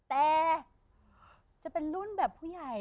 แต่จะเป็นรุ่นแบบผู้ใหญ่